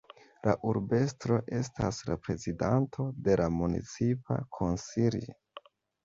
La urbestro estas la prezidanto de la Municipa Konsilio.